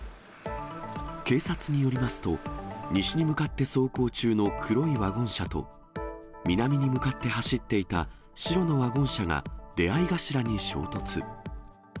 警察によりますと、西に向かって走行中の黒いワゴン車と、南に向かって走っていた白のワゴン車が、出会い頭に衝突。